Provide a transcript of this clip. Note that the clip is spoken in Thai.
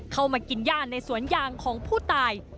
มากินย่าในสวนยางของผู้ตาย